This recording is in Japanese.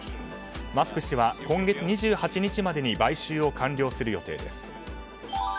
マスク氏は今月２８日までに買収を完了する予定です。